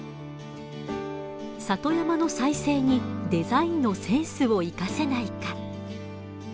里山の再生にデザインのセンスを生かせないか。